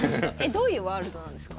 どういうワールドなんですか？